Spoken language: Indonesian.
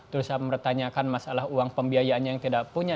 terus saya bertanyakan masalah uang pembiayaannya yang tidak punya